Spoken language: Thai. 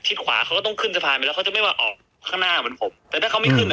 ขวาเขาก็ต้องขึ้นสะพานไปแล้วเขาจะไม่มาออกข้างหน้าเหมือนผมแต่ถ้าเขาไม่ขึ้นอ่ะ